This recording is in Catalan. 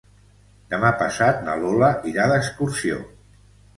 Demà passat na Lola irà d'excursió.